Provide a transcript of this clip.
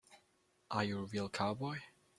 Are you a real cowboy?